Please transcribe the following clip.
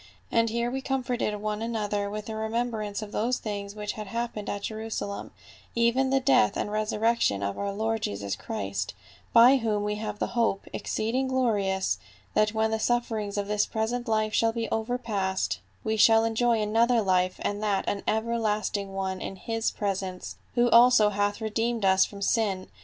And here we comforted one another with the remembrance of those things which had happened at Jerusalem, even the death and resurrection of our Lord Jesus Christ, by whom we have the hope, exceeding glorious, that when the sufferings of this present life shall be overpast we shall enjoy another life and that an everlasting one in his presence, who (223) 224 PA IJL. also hath redeemed us from sin.